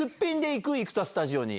生田スタジオに。